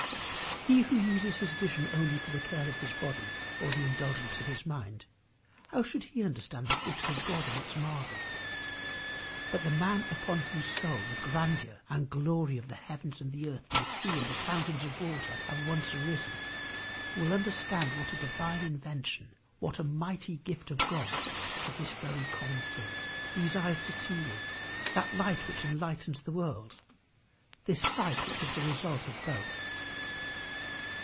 He who uses his vision only for the care of his body or the indulgence of his mind how should he understand the gift of God in its marvel? But the man upon whose soul the grandeur and glory of the heavens and the earth and the sea and the fountains of waters have once arisen will understand what a divine invention, what a mighty gift of God is this very common thing these eyes to see with that light which enlightens the world, this sight which is the result of both.